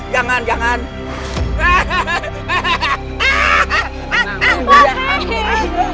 jangan jangan pak rw jangan jangan